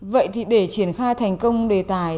vậy thì để triển khai thành công đề tài